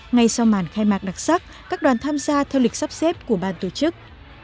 ngay sau màn khai mạc đặc sắc các đoàn tham gia theo lịch sắp xếp của ban tổ chức